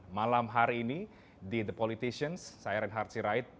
malam hari ini di the politicians saya reinhard sirait